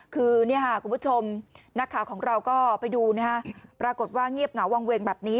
คือคุณผู้ชมนักข่าวของเราก็ไปดูนะฮะปรากฏว่าเงียบเหงาวางเวงแบบนี้